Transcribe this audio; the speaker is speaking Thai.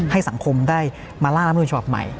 ให้สังคมได้มาล่างรัฐธรรมนุมใหม่